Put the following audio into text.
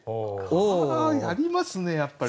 やりますねやっぱり。